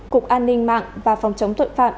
cục an ninh mạng và phòng chống thuận phạm